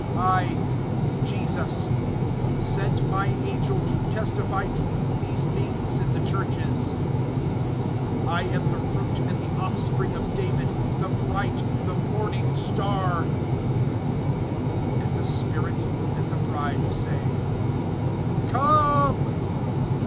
(16)I, Jesus, sent my angel, to testify to you these things in the churches. I am the root and the offspring of David, the bright, the morning star. (17)And the Spirit and the bride say: Come.